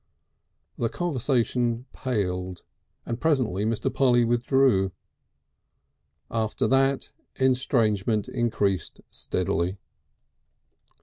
The conversation paled and presently Mr. Polly withdrew. After that, estrangement increased steadily.